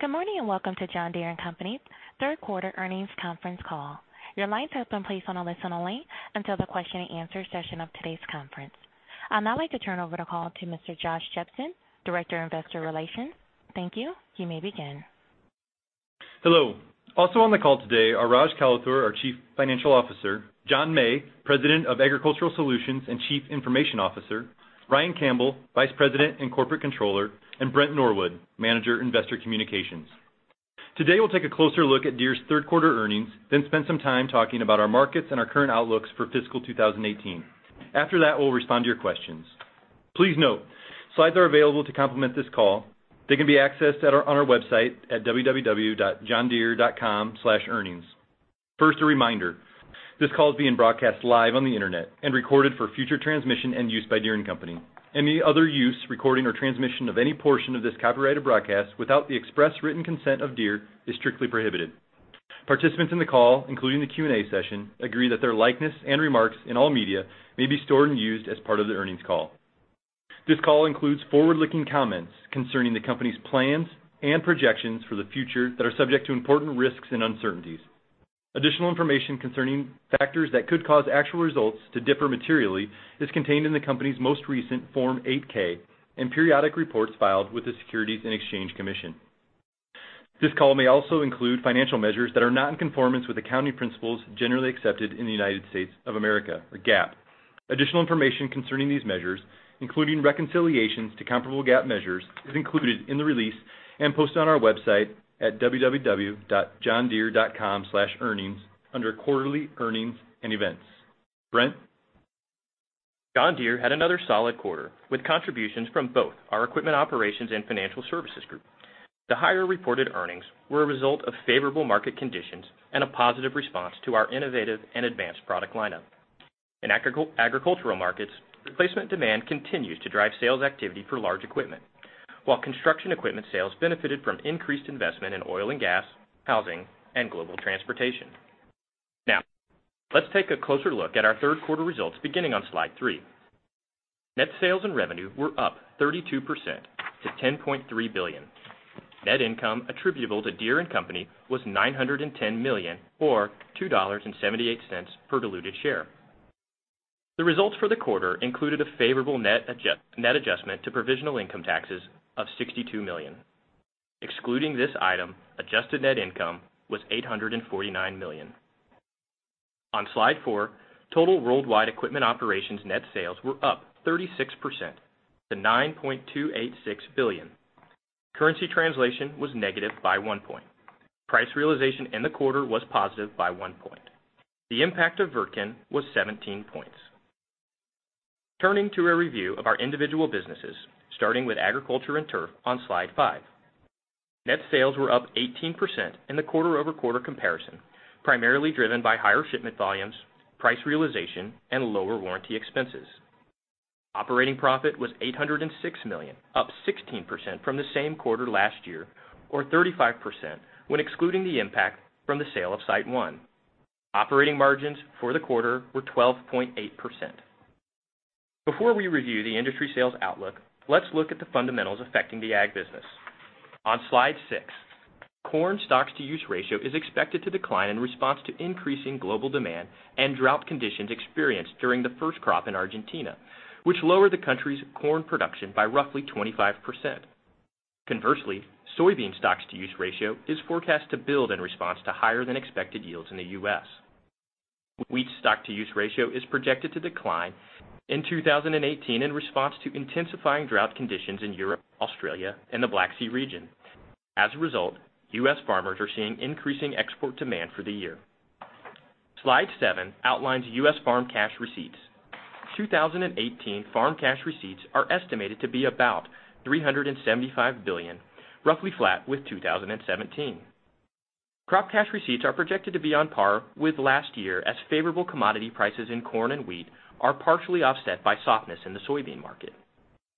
Good morning. Welcome to John Deere & Company's third quarter earnings conference call. Your lines have been placed on a listen-only until the question and answer session of today's conference. I'd now like to turn over the call to Mr. Josh Jepsen, Director of Investor Relations. Thank you. You may begin. Hello. Also on the call today are Raj Kalathur, our Chief Financial Officer, John May, President of Agricultural Solutions and Chief Information Officer, Ryan Campbell, Vice President and Corporate Controller, and Brent Norwood, Manager, Investor Communications. Today, we'll take a closer look at Deere's third quarter earnings, then spend some time talking about our markets and our current outlooks for fiscal 2018. After that, we'll respond to your questions. Please note, slides are available to complement this call. They can be accessed on our website at www.johndeere.com/earnings. First, a reminder. This call is being broadcast live on the internet and recorded for future transmission and use by Deere & Company. Any other use, recording, or transmission of any portion of this copyrighted broadcast without the express written consent of Deere is strictly prohibited. Participants in the call, including the Q&A session, agree that their likeness and remarks in all media may be stored and used as part of the earnings call. This call includes forward-looking comments concerning the company's plans and projections for the future that are subject to important risks and uncertainties. Additional information concerning factors that could cause actual results to differ materially is contained in the company's most recent Form 8-K and periodic reports filed with the Securities and Exchange Commission. This call may also include financial measures that are not in conformance with the accounting principles generally accepted in the United States of America, or GAAP. Additional information concerning these measures, including reconciliations to comparable GAAP measures, is included in the release and posted on our website at www.johndeere.com/earnings under quarterly earnings and events. Brent? John Deere had another solid quarter, with contributions from both our equipment operations and financial services group. The higher reported earnings were a result of favorable market conditions and a positive response to our innovative and advanced product lineup. In agricultural markets, replacement demand continues to drive sales activity for large equipment, while construction equipment sales benefited from increased investment in oil and gas, housing, and global transportation. Now, let's take a closer look at our third quarter results, beginning on slide three. Net sales and revenue were up 32% to $10.3 billion. Net income attributable to Deere & Company was $910 million or $2.78 per diluted share. The results for the quarter included a favorable net adjustment to provisional income taxes of $62 million. Excluding this item, adjusted net income was $849 million. On slide four, total worldwide equipment operations net sales were up 36% to $9.286 billion. Currency translation was negative by one point. Price realization in the quarter was positive by one point. The impact of Wirtgen was 17 points. Turning to a review of our individual businesses, starting with agriculture and turf on Slide five. Net sales were up 18% in the quarter-over-quarter comparison, primarily driven by higher shipment volumes, price realization, and lower warranty expenses. Operating profit was $806 million, up 16% from the same quarter last year, or 35% when excluding the impact from the sale of SiteOne. Operating margins for the quarter were 12.8%. Before we review the industry sales outlook, let's look at the fundamentals affecting the ag business. On Slide six, corn stocks-to-use ratio is expected to decline in response to increasing global demand and drought conditions experienced during the first crop in Argentina, which lowered the country's corn production by roughly 25%. Conversely, soybean stocks-to-use ratio is forecast to build in response to higher-than-expected yields in the U.S. Wheat stocks-to-use ratio is projected to decline in 2018 in response to intensifying drought conditions in Europe, Australia, and the Black Sea region. As a result, U.S. farmers are seeing increasing export demand for the year. Slide seven outlines U.S. farm cash receipts. 2018 farm cash receipts are estimated to be about $375 billion, roughly flat with 2017. Crop cash receipts are projected to be on par with last year, as favorable commodity prices in corn and wheat are partially offset by softness in the soybean market.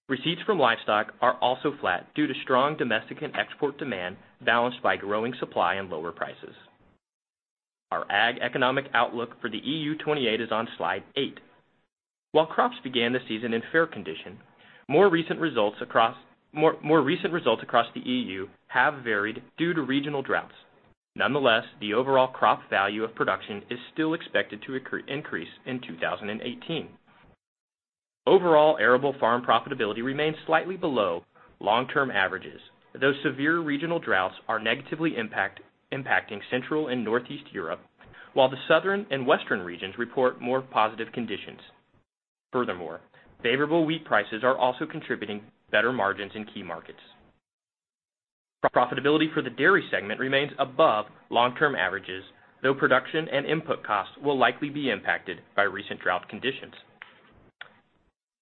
Receipts from livestock are also flat due to strong domestic and export demand balanced by growing supply and lower prices. Our ag economic outlook for the EU 28 is on Slide eight. While crops began the season in fair condition, more recent results across the EU have varied due to regional droughts. Nonetheless, the overall crop value of production is still expected to increase in 2018. Overall, arable farm profitability remains slightly below long-term averages, though severe regional droughts are negatively impacting Central and Northeast Europe, while the Southern and Western regions report more positive conditions. Furthermore, favorable wheat prices are also contributing better margins in key markets. Profitability for the dairy segment remains above long-term averages, though production and input costs will likely be impacted by recent drought conditions.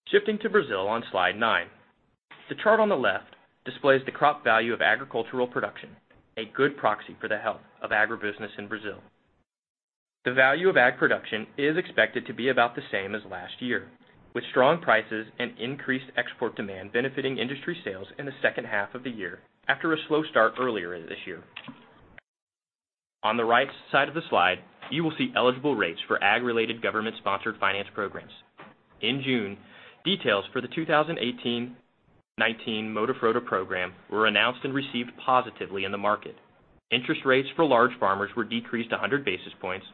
Shifting to Brazil on Slide nine. The chart on the left displays the crop value of agricultural production, a good proxy for the health of agribusiness in Brazil. The value of ag production is expected to be about the same as last year, with strong prices and increased export demand benefiting industry sales in the second half of the year after a slow start earlier this year. On the right side of the slide, you will see eligible rates for ag-related government-sponsored finance programs. In June, details for the 2018-2019 Moderfrota program were announced and received positively in the market. Interest rates for large farmers were decreased 100 basis points,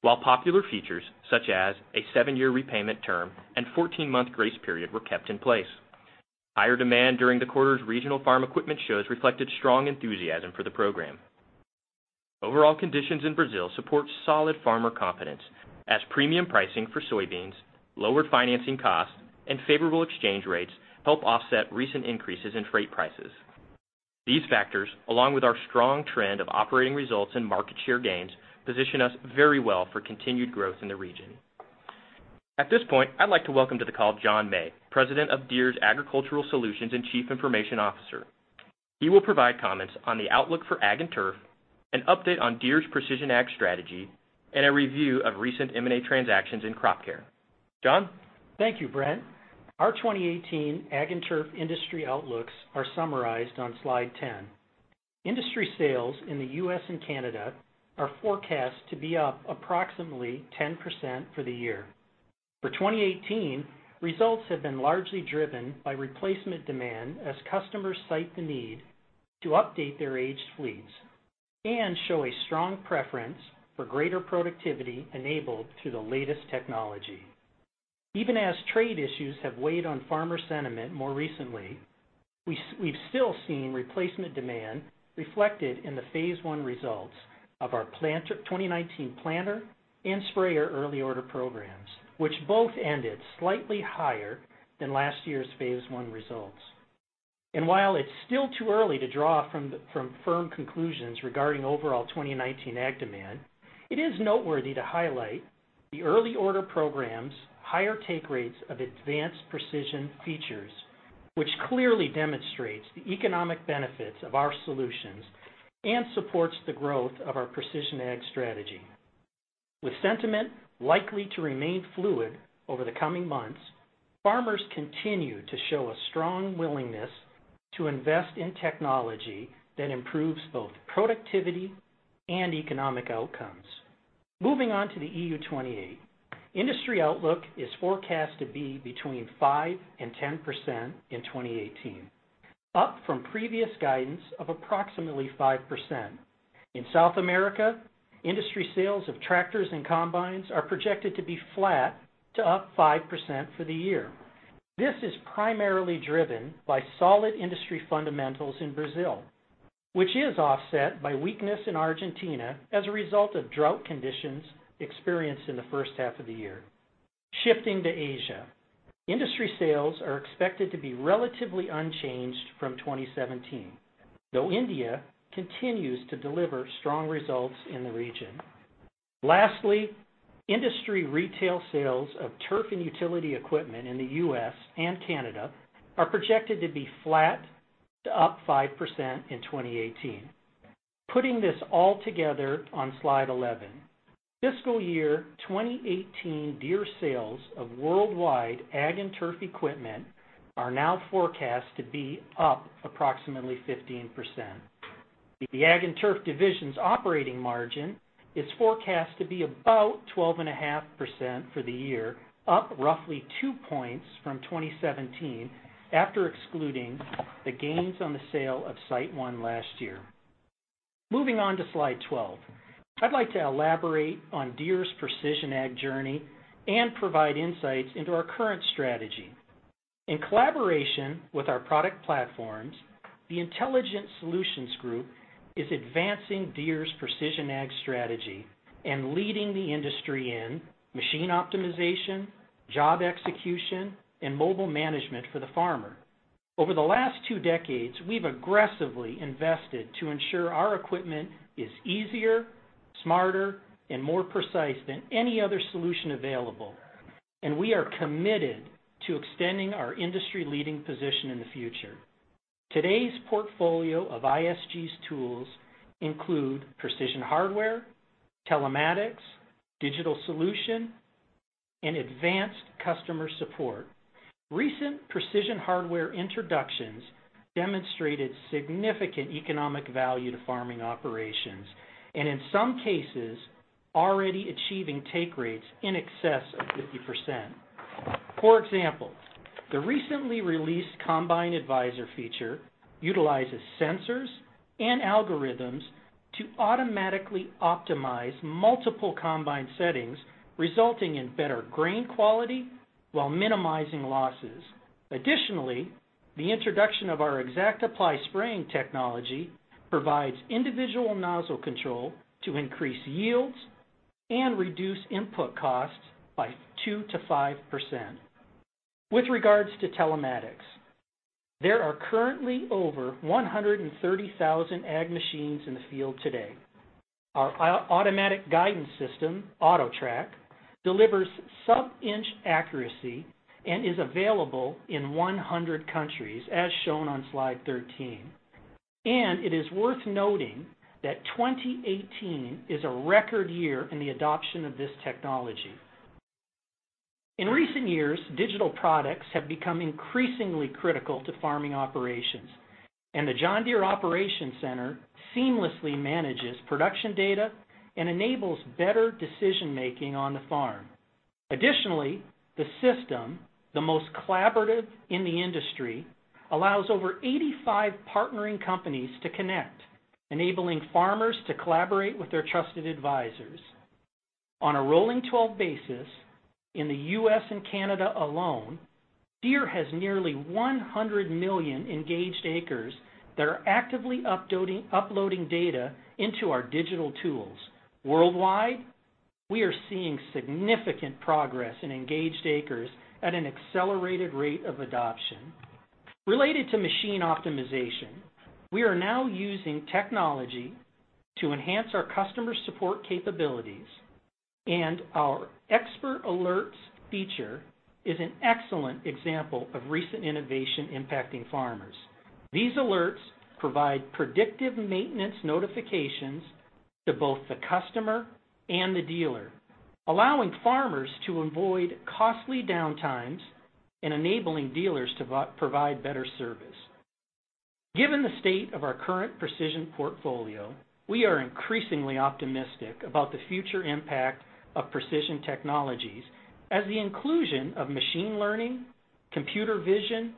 while popular features, such as a seven-year repayment term and 14-month grace period were kept in place. Higher demand during the quarter's regional farm equipment shows reflected strong enthusiasm for the program. Overall conditions in Brazil support solid farmer confidence as premium pricing for soybeans, lower financing costs, and favorable exchange rates help offset recent increases in freight prices. These factors, along with our strong trend of operating results and market share gains, position us very well for continued growth in the region. At this point, I'd like to welcome to the call John May, President of Deere's Agricultural Solutions and Chief Information Officer. He will provide comments on the outlook for Ag & Turf, an update on Deere's precision ag strategy, and a review of recent M&A transactions in Crop Care. John? Thank you, Brent. Our 2018 Ag & Turf industry outlooks are summarized on slide 10. Industry sales in the U.S. and Canada are forecast to be up approximately 10% for the year. For 2018, results have been largely driven by replacement demand as customers cite the need to update their aged fleets and show a strong preference for greater productivity enabled through the latest technology. Even as trade issues have weighed on farmer sentiment more recently, we've still seen replacement demand reflected in the phase one results of our 2019 planter and sprayer early order programs, which both ended slightly higher than last year's phase one results. While it's still too early to draw firm conclusions regarding overall 2019 ag demand, it is noteworthy to highlight the early order programs' higher take rates of advanced precision features, which clearly demonstrates the economic benefits of our solutions and supports the growth of our precision ag strategy. With sentiment likely to remain fluid over the coming months, farmers continue to show a strong willingness to invest in technology that improves both productivity and economic outcomes. Moving on to the EU 28. Industry outlook is forecast to be between 5%-10% in 2018, up from previous guidance of approximately 5%. In South America, industry sales of tractors and combines are projected to be flat to up 5% for the year. This is primarily driven by solid industry fundamentals in Brazil, which is offset by weakness in Argentina as a result of drought conditions experienced in the first half of the year. Shifting to Asia. Industry sales are expected to be relatively unchanged from 2017, though India continues to deliver strong results in the region. Lastly, industry retail sales of turf and utility equipment in the U.S. and Canada are projected to be flat to up 5% in 2018. Putting this all together on slide 11. Fiscal year 2018 Deere sales of worldwide Ag & Turf equipment are now forecast to be up approximately 15%. The Ag & Turf division's operating margin is forecast to be about 12.5% for the year, up roughly two points from 2017 after excluding the gains on the sale of SiteOne last year. Moving on to slide 12. I'd like to elaborate on Deere's precision ag journey and provide insights into our current strategy. In collaboration with our product platforms, the Intelligent Solutions Group is advancing Deere's precision ag strategy and leading the industry in machine optimization, job execution, and mobile management for the farmer. Over the last two decades, we've aggressively invested to ensure our equipment is easier, smarter, and more precise than any other solution available, and we are committed to extending our industry-leading position in the future. Today's portfolio of ISG's tools include precision hardware, telematics, digital solution, and advanced customer support. Recent precision hardware introductions demonstrated significant economic value to farming operations, and in some cases, already achieving take rates in excess of 50%. For example, the recently released Combine Advisor feature utilizes sensors and algorithms to automatically optimize multiple combine settings, resulting in better grain quality while minimizing losses. Additionally, the introduction of our ExactApply spraying technology provides individual nozzle control to increase yields and reduce input costs by 2%-5%. With regards to telematics, there are currently over 130,000 ag machines in the field today. Our automatic guidance system, AutoTrac, delivers sub-inch accuracy and is available in 100 countries, as shown on slide 13. It is worth noting that 2018 is a record year in the adoption of this technology. In recent years, digital products have become increasingly critical to farming operations, and the John Deere Operations Center seamlessly manages production data and enables better decision-making on the farm. Additionally, the system, the most collaborative in the industry, allows over 85 partnering companies to connect, enabling farmers to collaborate with their trusted advisors. On a rolling 12 basis in the U.S. and Canada alone, Deere has nearly 100 million engaged acres that are actively uploading data into our digital tools. Worldwide, we are seeing significant progress in engaged acres at an accelerated rate of adoption. Related to machine optimization, we are now using technology to enhance our customer support capabilities, and our Expert Alerts feature is an excellent example of recent innovation impacting farmers. These alerts provide predictive maintenance notifications to both the customer and the dealer, allowing farmers to avoid costly downtimes and enabling dealers to provide better service. Given the state of our current precision portfolio, we are increasingly optimistic about the future impact of precision technologies as the inclusion of machine learning, computer vision,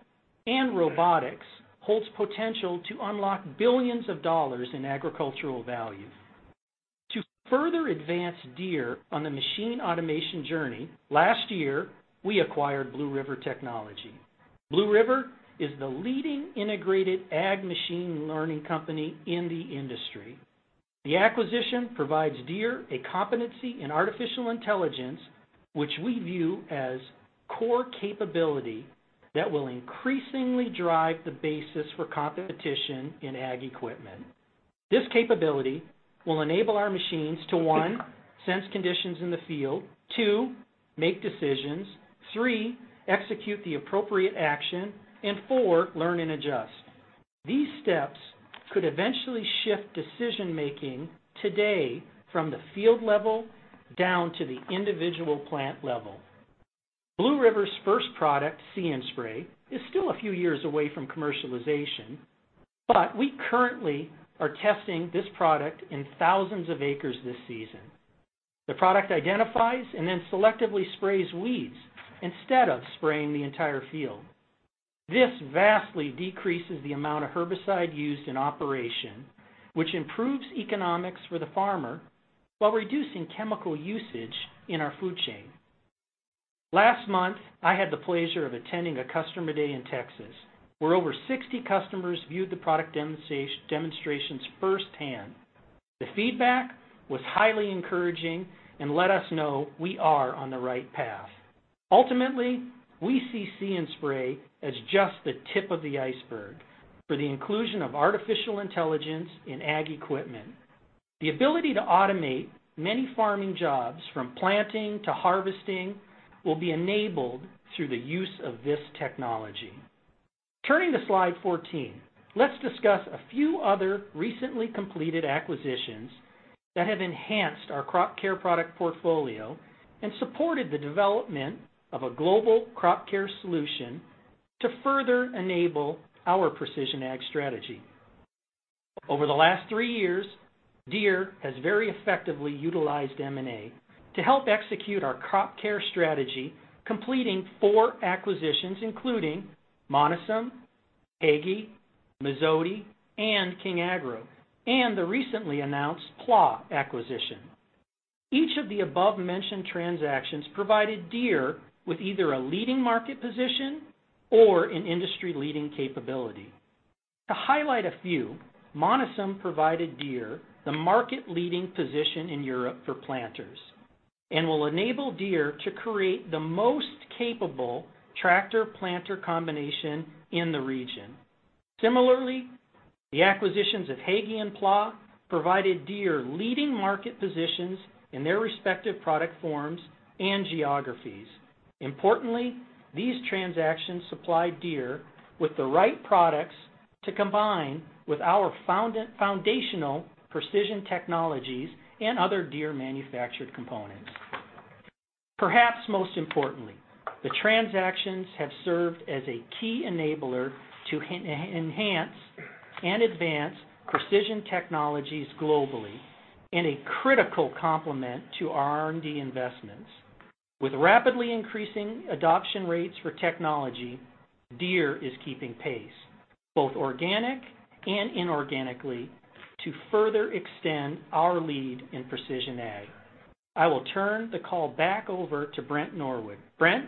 and robotics holds potential to unlock billions of dollars in agricultural value. To further advance Deere on the machine automation journey, last year, we acquired Blue River Technology. Blue River is the leading integrated ag machine learning company in the industry. The acquisition provides Deere a competency in artificial intelligence, which we view as core capability that will increasingly drive the basis for competition in ag equipment. This capability will enable our machines to, one, sense conditions in the field, two, make decisions, three, execute the appropriate action, and four, learn and adjust. These steps could eventually shift decision-making today from the field level down to the individual plant level. Blue River's first product, See & Spray, is still a few years away from commercialization, but we currently are testing this product in thousands of acres this season. The product identifies and then selectively sprays weeds instead of spraying the entire field. This vastly decreases the amount of herbicide used in operation, which improves economics for the farmer while reducing chemical usage in our food chain. Last month, I had the pleasure of attending a customer day in Texas, where over 60 customers viewed the product demonstrations firsthand. The feedback was highly encouraging and let us know we are on the right path. Ultimately, we see See & Spray as just the tip of the iceberg for the inclusion of artificial intelligence in ag equipment. The ability to automate many farming jobs from planting to harvesting will be enabled through the use of this technology. Turning to slide 14, let's discuss a few other recently completed acquisitions that have enhanced our crop care product portfolio and supported the development of a global crop care solution to further enable our precision ag strategy. Over the last three years, Deere has very effectively utilized M&A to help execute our crop care strategy, completing four acquisitions, including Monosem, Hagie, Mazzotti, and King Agro, and the recently announced PLA acquisition. Each of the above-mentioned transactions provided Deere with either a leading market position or an industry-leading capability. To highlight a few, Monosem provided Deere the market leading position in Europe for planters and will enable Deere to create the most capable tractor-planter combination in the region. Similarly, the acquisitions of Hagie and PLA provided Deere leading market positions in their respective product forms and geographies. Importantly, these transactions supplied Deere with the right products to combine with our foundational precision technologies and other Deere-manufactured components. Perhaps most importantly, the transactions have served as a key enabler to enhance and advance precision technologies globally and a critical complement to our R&D investments. With rapidly increasing adoption rates for technology, Deere is keeping pace, both organic and inorganically, to further extend our lead in precision ag. I will turn the call back over to Brent Norwood. Brent?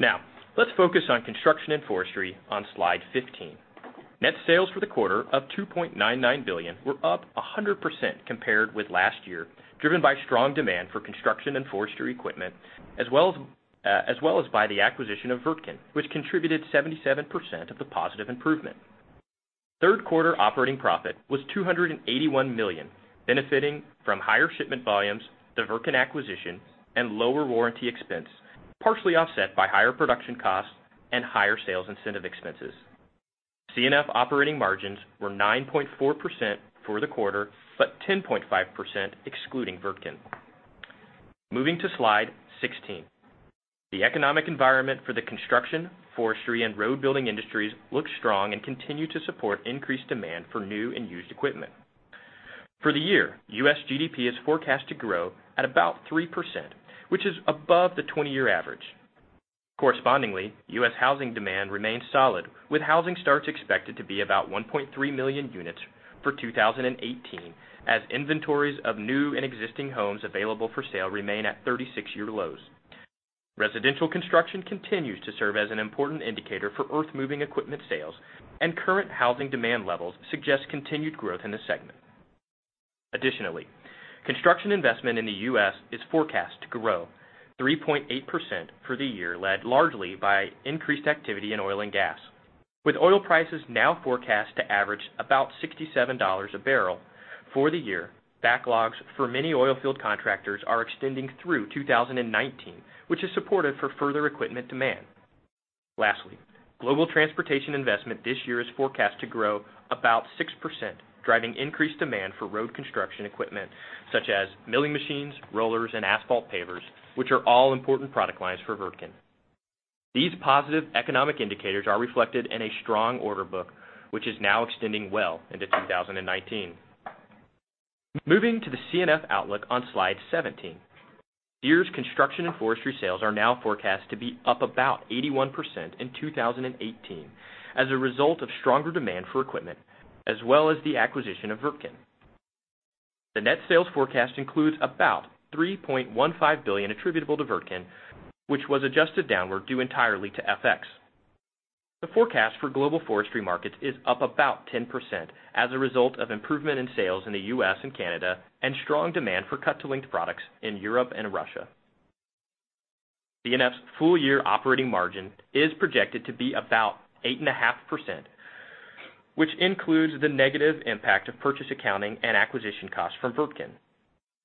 Now, let's focus on construction and forestry on slide 15. Net sales for the quarter of $2.99 billion were up 100% compared with last year, driven by strong demand for construction and forestry equipment, as well as by the acquisition of Wirtgen, which contributed 77% of the positive improvement. Third quarter operating profit was $281 million, benefiting from higher shipment volumes, the Wirtgen acquisition, and lower warranty expense, partially offset by higher production costs and higher sales incentive expenses. C&F operating margins were 9.4% for the quarter, but 10.5% excluding Wirtgen. Moving to slide 16. The economic environment for the construction, forestry, and road-building industries looks strong and continue to support increased demand for new and used equipment. For the year, U.S. GDP is forecast to grow at about 3%, which is above the 20-year average. Correspondingly, U.S. housing demand remains solid, with housing starts expected to be about 1.3 million units for 2018, as inventories of new and existing homes available for sale remain at 36-year lows. Residential construction continues to serve as an important indicator for earth-moving equipment sales, and current housing demand levels suggest continued growth in the segment. Additionally, construction investment in the U.S. is forecast to grow 3.8% for the year, led largely by increased activity in oil and gas. With oil prices now forecast to average about $67 a barrel for the year, backlogs for many oil field contractors are extending through 2019, which is supportive for further equipment demand. Lastly, global transportation investment this year is forecast to grow about 6%, driving increased demand for road construction equipment such as milling machines, rollers, and asphalt pavers, which are all important product lines for Wirtgen. These positive economic indicators are reflected in a strong order book, which is now extending well into 2019. Moving to the C&F outlook on slide 17. Deere's Construction and Forestry sales are now forecast to be up about 81% in 2018 as a result of stronger demand for equipment, as well as the acquisition of Wirtgen. The net sales forecast includes about $3.15 billion attributable to Wirtgen, which was adjusted downward due entirely to FX. The forecast for global forestry markets is up about 10% as a result of improvement in sales in the U.S. and Canada and strong demand for cut-to-length products in Europe and Russia. C&F's full-year operating margin is projected to be about 8.5%, which includes the negative impact of purchase accounting and acquisition costs from Wirtgen.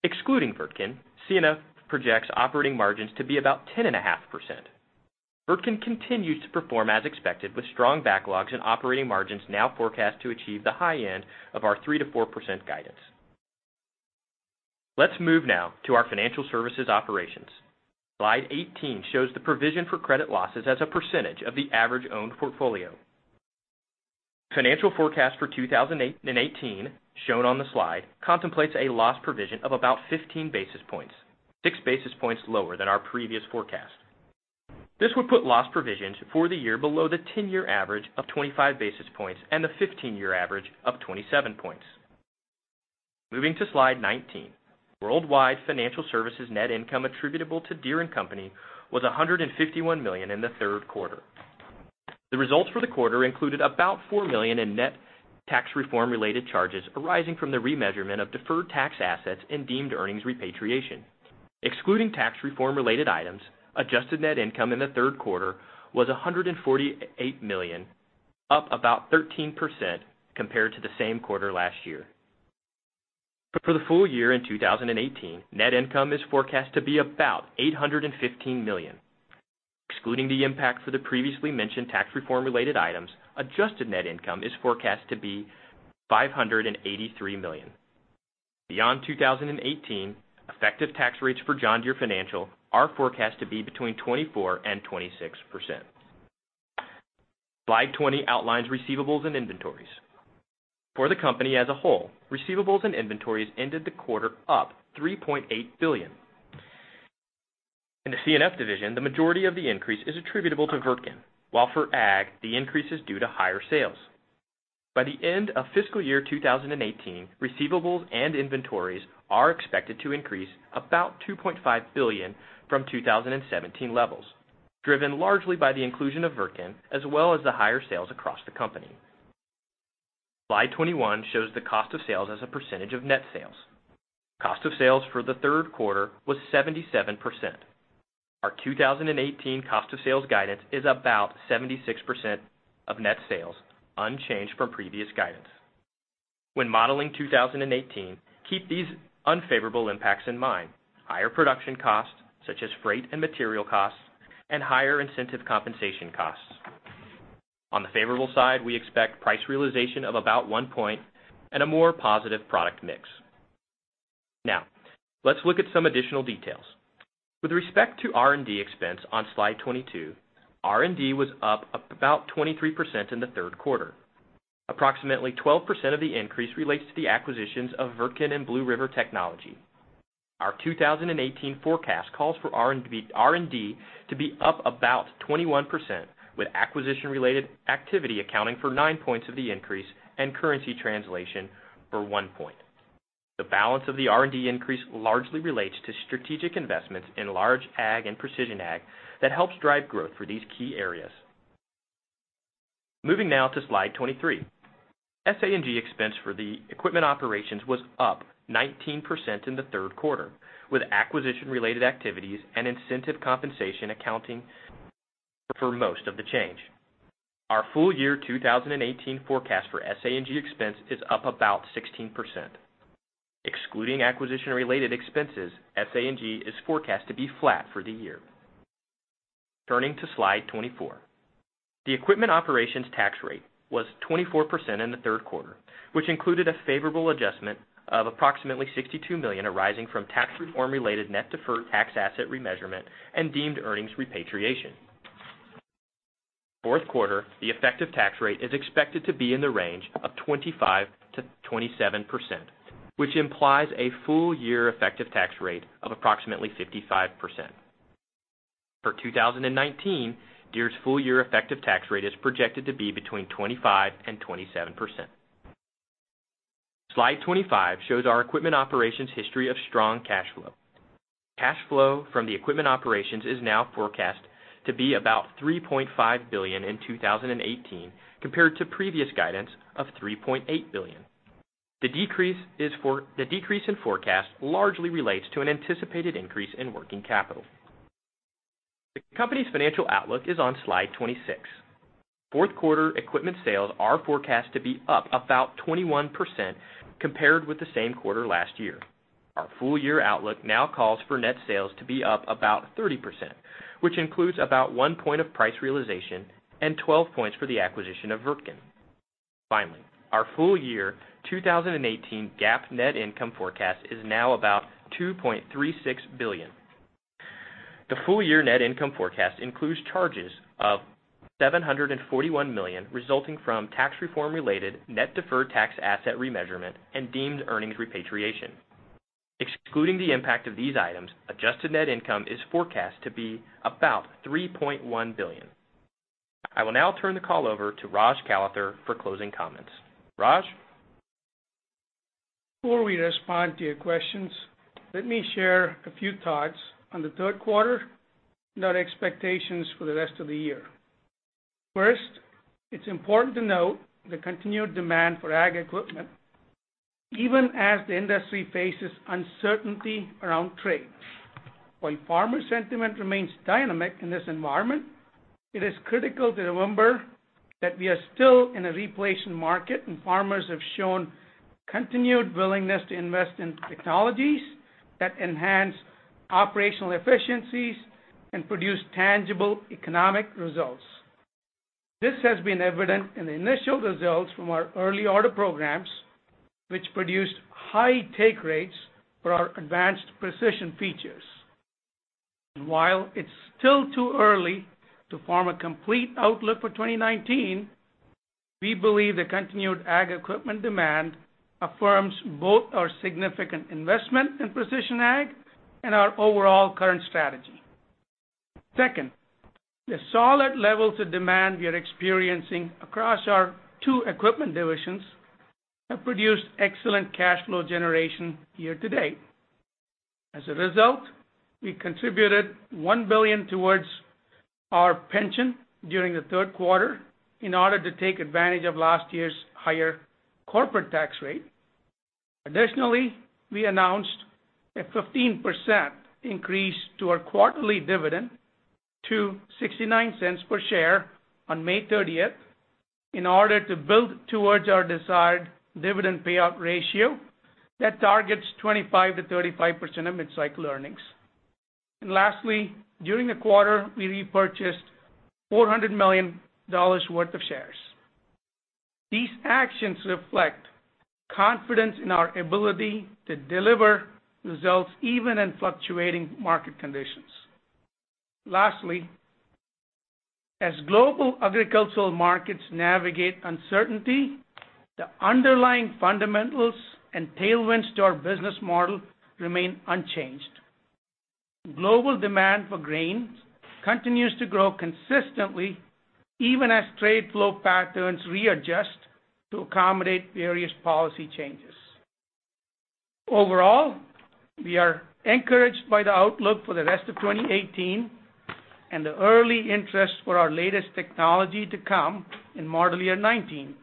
Excluding Wirtgen, C&F projects operating margins to be about 10.5%. Wirtgen continues to perform as expected, with strong backlogs and operating margins now forecast to achieve the high end of our 3%-4% guidance. Let's move now to our financial services operations. Slide 18 shows the provision for credit losses as a percentage of the average owned portfolio. Financial forecast for 2018, shown on the slide, contemplates a loss provision of about 15 basis points, six basis points lower than our previous forecast. This would put loss provisions for the year below the 10-year average of 25 basis points and the 15-year average of 27 points. Moving to slide 19. Worldwide financial services net income attributable to Deere & Company was $151 million in the third quarter. The results for the quarter included about $4 million in net tax reform related charges arising from the remeasurement of deferred tax assets and deemed earnings repatriation. Excluding tax reform related items, adjusted net income in the third quarter was $148 million, up about 13% compared to the same quarter last year. For the full year in 2018, net income is forecast to be about $815 million. Excluding the impact for the previously mentioned tax reform related items, adjusted net income is forecast to be $583 million. Beyond 2018, effective tax rates for John Deere Financial are forecast to be between 24% and 26%. Slide 20 outlines receivables and inventories. For the company as a whole, receivables and inventories ended the quarter up $3.8 billion. In the C&F division, the majority of the increase is attributable to Wirtgen, while for Ag, the increase is due to higher sales. By the end of fiscal year 2018, receivables and inventories are expected to increase about $2.5 billion from 2017 levels, driven largely by the inclusion of Wirtgen, as well as the higher sales across the company. Slide 21 shows the cost of sales as a percentage of net sales. Cost of sales for the third quarter was 77%. Our 2018 cost of sales guidance is about 76% of net sales, unchanged from previous guidance. When modeling 2018, keep these unfavorable impacts in mind. Higher production costs, such as freight and material costs, and higher incentive compensation costs. On the favorable side, we expect price realization of about one point and a more positive product mix. Let's look at some additional details. With respect to R&D expense on Slide 22, R&D was up about 23% in the third quarter. Approximately 12% of the increase relates to the acquisitions of Wirtgen and Blue River Technology. Our 2018 forecast calls for R&D to be up about 21%, with acquisition-related activity accounting for nine points of the increase and currency translation for one point. The balance of the R&D increase largely relates to strategic investments in large Ag and Precision Ag that helps drive growth for these key areas. Slide 23. SA&G expense for the equipment operations was up 19% in the third quarter, with acquisition-related activities and incentive compensation accounting for most of the change. Our full year 2018 forecast for SA&G expense is up about 16%. Excluding acquisition-related expenses, SA&G is forecast to be flat for the year. Slide 24. The equipment operations tax rate was 24% in the third quarter, which included a favorable adjustment of approximately $62 million arising from tax reform-related net deferred tax asset remeasurement and deemed earnings repatriation. Fourth quarter, the effective tax rate is expected to be in the range of 25%-27%, which implies a full year effective tax rate of approximately 55%. For 2019, Deere's full year effective tax rate is projected to be between 25% and 27%. Slide 25 shows our equipment operations history of strong cash flow. Cash flow from the equipment operations is now forecast to be about $3.5 billion in 2018, compared to previous guidance of $3.8 billion. The decrease in forecast largely relates to an anticipated increase in working capital. The company's financial outlook is on Slide 26. Fourth quarter equipment sales are forecast to be up about 21% compared with the same quarter last year. Our full-year outlook now calls for net sales to be up about 30%, which includes about one point of price realization and 12 points for the acquisition of Wirtgen. Our full year 2018 GAAP net income forecast is now about $2.36 billion. The full-year net income forecast includes charges of $741 million, resulting from tax reform related net deferred tax asset remeasurement and deemed earnings repatriation. Excluding the impact of these items, adjusted net income is forecast to be about $3.1 billion. I will now turn the call over to Raj Kalathur for closing comments. Raj? Before we respond to your questions, let me share a few thoughts on the third quarter and our expectations for the rest of the year. First, it's important to note the continued demand for ag equipment, even as the industry faces uncertainty around trade. While farmer sentiment remains dynamic in this environment, it is critical to remember that we are still in a replacement market, and farmers have shown continued willingness to invest in technologies that enhance operational efficiencies and produce tangible economic results. This has been evident in the initial results from our early order programs, which produced high take rates for our advanced precision features. While it's still too early to form a complete outlook for 2019, we believe the continued ag equipment demand affirms both our significant investment in precision ag and our overall current strategy. Second, the solid levels of demand we are experiencing across our two equipment divisions have produced excellent cash flow generation year to date. As a result, we contributed $1 billion towards our pension during the third quarter in order to take advantage of last year's higher corporate tax rate. Additionally, we announced a 15% increase to our quarterly dividend to $0.69 per share on May 30th in order to build towards our desired dividend payout ratio that targets 25%-35% of mid-cycle earnings. Lastly, during the quarter, we repurchased $400 million worth of shares. These actions reflect confidence in our ability to deliver results even in fluctuating market conditions. Lastly, as global agricultural markets navigate uncertainty, the underlying fundamentals and tailwinds to our business model remain unchanged. Global demand for grains continues to grow consistently, even as trade flow patterns readjust to accommodate various policy changes. Overall, we are encouraged by the outlook for the rest of 2018 and the early interest for our latest technology to come in model year '19.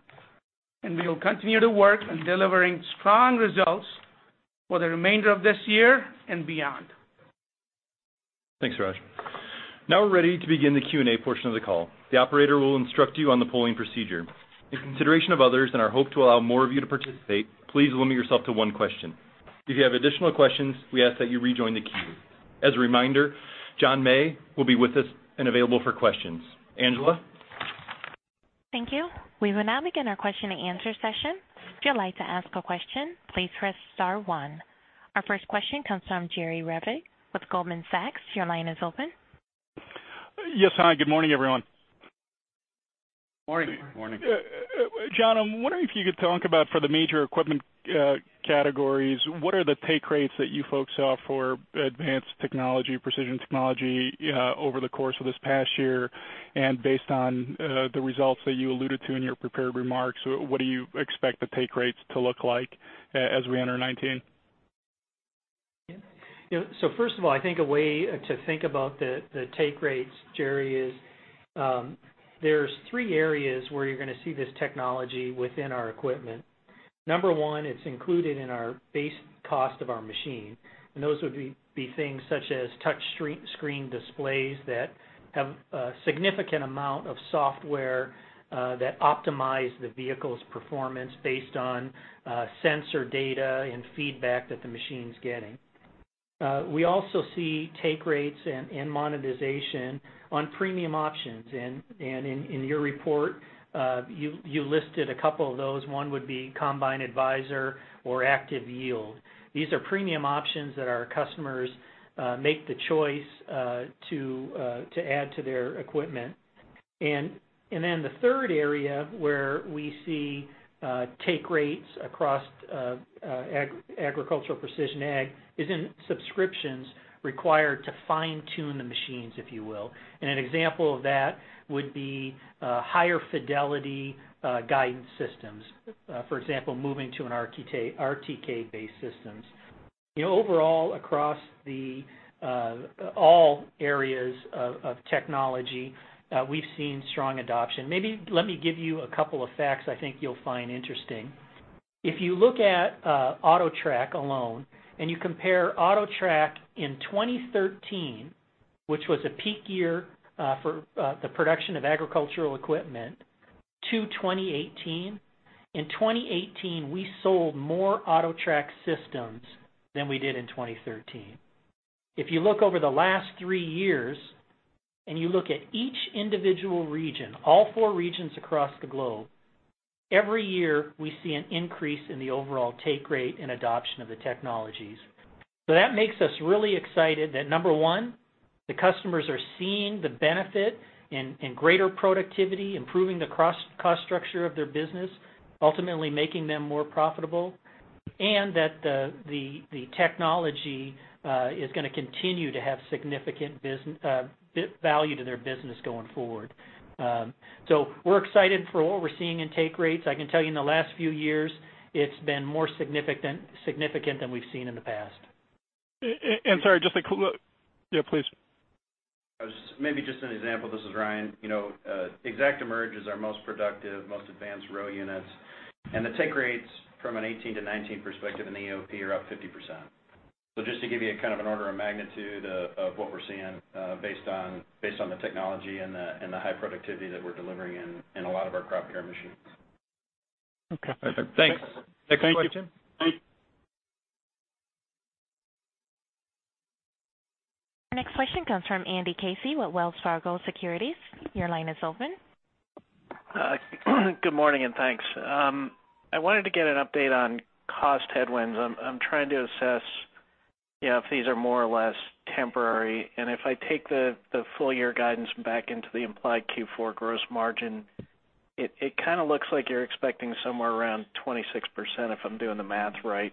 We will continue to work on delivering strong results for the remainder of this year and beyond. Thanks, Raj. Now we're ready to begin the Q&A portion of the call. The operator will instruct you on the polling procedure. In consideration of others and our hope to allow more of you to participate, please limit yourself to one question. If you have additional questions, we ask that you rejoin the queue. As a reminder, John May will be with us and available for questions. Angela? Thank you. We will now begin our question and answer session. If you'd like to ask a question, please press *1. Our first question comes from Jerry Revich with Goldman Sachs. Your line is open. Yes. Hi, good morning, everyone. Morning. Morning. John, I'm wondering if you could talk about for the major equipment categories, what are the take rates that you folks saw for advanced technology, precision technology over the course of this past year? Based on the results that you alluded to in your prepared remarks, what do you expect the take rates to look like as we enter 2019? First of all, I think a way to think about the take rates, Jerry, is there's three areas where you're going to see this technology within our equipment. Number 1, it's included in our base cost of our machine, and those would be things such as touch screen displays that have a significant amount of software that optimize the vehicle's performance based on sensor data and feedback that the machine's getting. We also see take rates and monetization on premium options. In your report, you listed a couple of those. One would be Combine Advisor or ActiveYield. These are premium options that our customers make the choice to add to their equipment. The third area where we see take rates across agricultural precision ag is in subscriptions required to fine-tune the machines, if you will. An example of that would be higher fidelity guidance systems. For example, moving to an RTK-based systems. Overall, across all areas of technology, we've seen strong adoption. Maybe let me give you a couple of facts I think you'll find interesting. If you look at AutoTrac alone and you compare AutoTrac in 2013, which was a peak year for the production of agricultural equipment to 2018, in 2018, we sold more AutoTrac systems than we did in 2013. If you look over the last three years and you look at each individual region, all four regions across the globe, every year we see an increase in the overall take rate and adoption of the technologies. That makes us really excited that number 1, the customers are seeing the benefit in greater productivity, improving the cost structure of their business, ultimately making them more profitable, and that the technology is going to continue to have significant value to their business going forward. We're excited for what we're seeing in take rates. I can tell you in the last few years, it's been more significant than we've seen in the past. Sorry, Yeah, please. Maybe just an example. This is Ryan. ExactEmerge is our most productive, most advanced row units. The take rates from a 2018 to 2019 perspective in EOP are up 50%. Just to give you kind of an order of magnitude of what we're seeing based on the technology and the high productivity that we're delivering in a lot of our crop care machines. Okay. Perfect. Thanks. Next question. Our next question comes from Andy Casey with Wells Fargo Securities. Your line is open. Good morning, thanks. I wanted to get an update on cost headwinds. I'm trying to assess if these are more or less temporary. If I take the full-year guidance back into the implied Q4 gross margin, it kind of looks like you're expecting somewhere around 26%, if I'm doing the math right.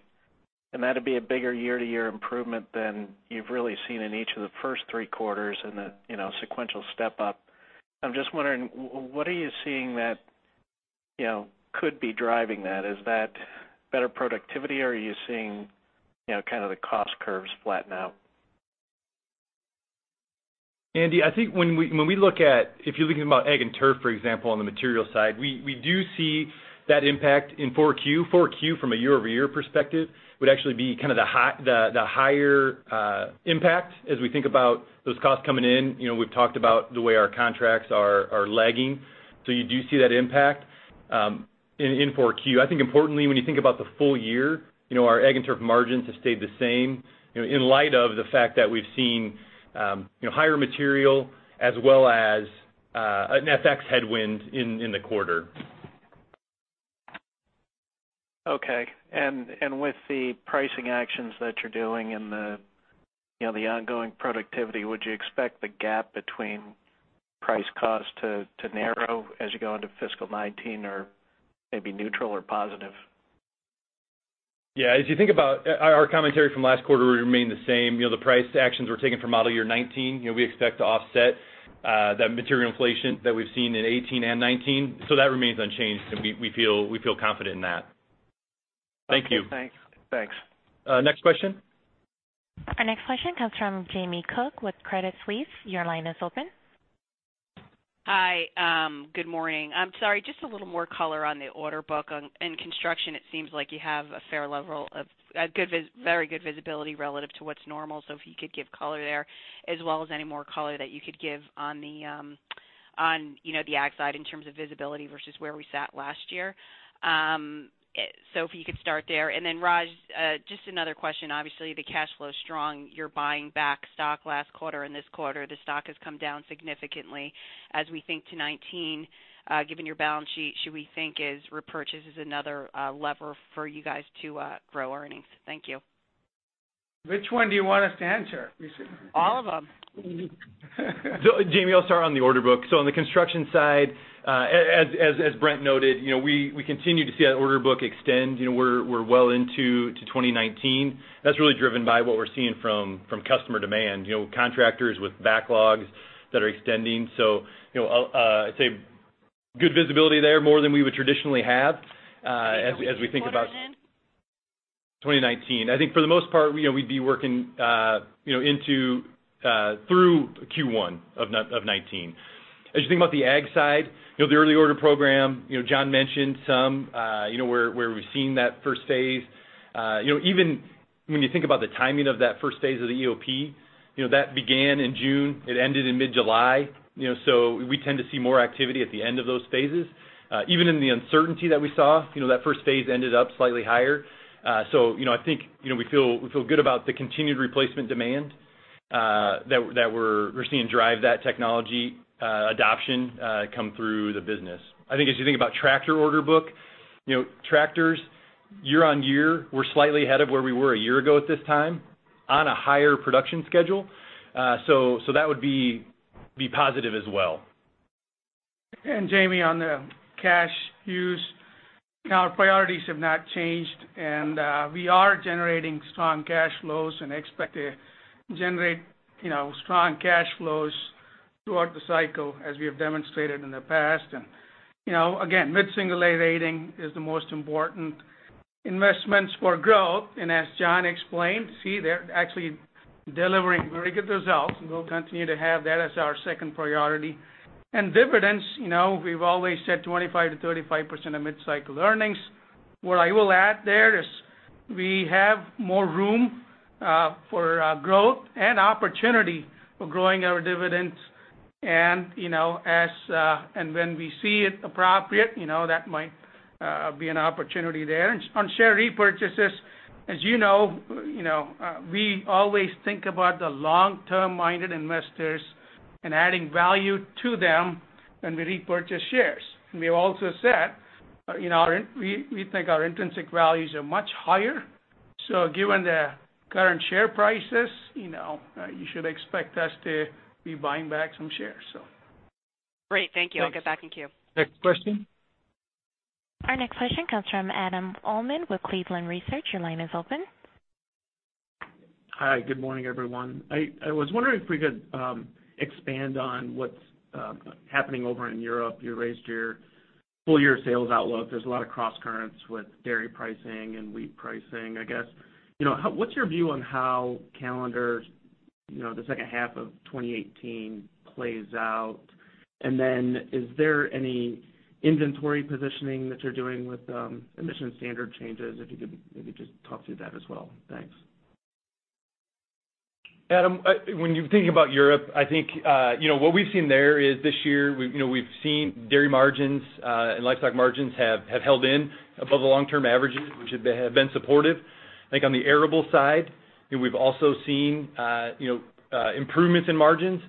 That'd be a bigger year-to-year improvement than you've really seen in each of the first three quarters in the sequential step-up. I'm just wondering, what are you seeing that could be driving that? Is that better productivity, or are you seeing kind of the cost curves flatten out? Andy, I think if you're thinking about ag and turf, for example, on the material side, we do see that impact in 4Q. 4Q from a year-over-year perspective would actually be kind of the higher impact as we think about those costs coming in. We've talked about the way our contracts are lagging. You do see that impact in 4Q. I think importantly, when you think about the full year, our ag and turf margins have stayed the same in light of the fact that we've seen higher material as well as an FX headwind in the quarter. Okay. With the pricing actions that you're doing and the ongoing productivity, would you expect the gap between price cost to narrow as you go into fiscal 2019 or maybe neutral or positive? Yeah. As you think about our commentary from last quarter, we remain the same. The price actions we're taking for model year 2019, we expect to offset that material inflation that we've seen in 2018 and 2019. That remains unchanged and we feel confident in that. Thank you. Okay, thanks. Next question. Our next question comes from Jamie Cook with Credit Suisse. Your line is open. Hi, good morning. I'm sorry, just a little more color on the order book. In construction, it seems like you have a very good visibility relative to what's normal. If you could give color there as well as any more color that you could give on the ag side in terms of visibility versus where we sat last year. If you could start there. Raj, just another question. Obviously, the cash flow is strong. You're buying back stock last quarter and this quarter. The stock has come down significantly as we think to 2019. Given your balance sheet, should we think repurchase is another lever for you guys to grow earnings? Thank you. Which one do you want us to answer? All of them. Jamie, I'll start on the order book. On the construction side, as Brent noted, we continue to see that order book extend. We're well into 2019. That's really driven by what we're seeing from customer demand. Contractors with backlogs that are extending. I'd say good visibility there, more than we would traditionally have as we think about. What quarter again? 2019. I think for the most part, we'd be working through Q1 of 2019. As you think about the Ag side, the early order program, John mentioned some where we've seen that first phase. Even when you think about the timing of that first phase of the EOP, that began in June. It ended in mid-July. We tend to see more activity at the end of those phases. Even in the uncertainty that we saw, that first phase ended up slightly higher. I think we feel good about the continued replacement demand - that we're seeing drive that technology adoption come through the business. I think as you think about tractor order book, tractors year-over-year, we're slightly ahead of where we were a year ago at this time on a higher production schedule. That would be positive as well. Jamie, on the cash use, our priorities have not changed. We are generating strong cash flows and expect to generate strong cash flows throughout the cycle as we have demonstrated in the past. Again, mid-single-digit rating is the most important investments for growth. As John explained, see, they're actually delivering very good results. We'll continue to have that as our second priority. Dividends, we've always said 25%-35% of mid-cycle earnings. What I will add there is we have more room for growth and opportunity for growing our dividends. When we see it appropriate, that might be an opportunity there. On share repurchases, as you know, we always think about the long-term-minded investors and adding value to them when we repurchase shares. We have also said we think our intrinsic values are much higher. Given the current share prices, you should expect us to be buying back some shares. Great. Thank you. Thanks. I'll get back in queue. Next question. Our next question comes from Adam Uhlman with Cleveland Research. Your line is open. Hi, good morning, everyone. I was wondering if we could expand on what's happening over in Europe. You raised your full-year sales outlook. There's a lot of cross-currents with dairy pricing and wheat pricing, I guess. What's your view on how calendar, the second half of 2018 plays out? Is there any inventory positioning that you're doing with emission standard changes? If you could maybe just talk through that as well. Thanks. Adam, when you're thinking about Europe, I think what we've seen there is this year, we've seen dairy margins and livestock margins have held in above the long-term averages, which have been supportive. I think on the arable side, we've also seen improvements in margins.